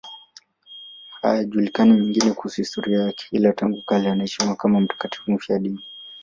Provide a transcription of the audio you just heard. Hayajulikani mengine kuhusu historia yake, ila tangu kale anaheshimiwa kama mtakatifu mfiadini.